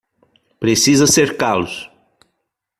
Precisa cercá-los